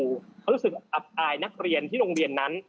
เขารู้สึกอับอายนักเรียนที่โรงเรียนนั้น